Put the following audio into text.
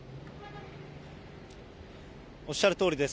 おっしゃるとおりです。